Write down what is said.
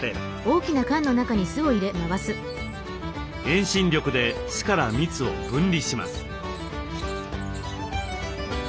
遠心力で巣から蜜を分離します。